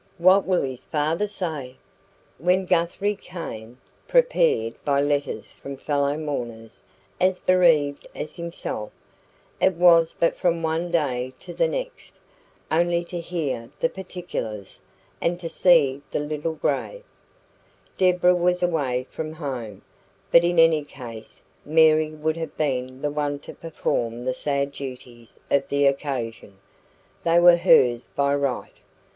what will his father say?" When Guthrie came, prepared by letters from fellow mourners as bereaved as himself, it was but from one day to the next only to "hear the particulars" and to see the little grave. Deborah was away from home, but in any case Mary would have been the one to perform the sad duties of the occasion; they were hers by right.